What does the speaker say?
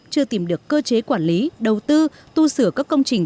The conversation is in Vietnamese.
chưa tìm được cơ chế quản lý đầu tư tu sửa các công trình